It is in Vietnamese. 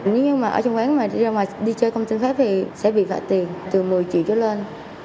nếu như mà ở trong quán mà đi ra ngoài đi chơi công tư phép thì sẽ bị vạ tiền từ một mươi triệu cho lên